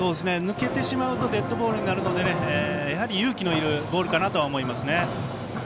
抜けてしまうとデッドボールになるのでやはり勇気のいるボールかなとは思いますね。